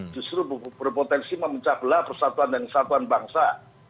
justru berpotensi memecah belah persatuan dan kesatuan bangsa